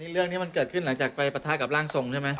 เรื่องนี้มันเกิดขึ้นหลังจากไปปะทะกับร่างทรงใช่ไหม